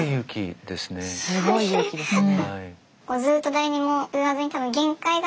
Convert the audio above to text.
すごい勇気ですね。